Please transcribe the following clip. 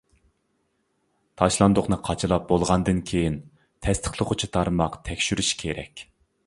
تاشلاندۇقنى قاچىلاپ بولغاندىن كېيىن، تەستىقلىغۇچى تارماق تەكشۈرۈشى كېرەك.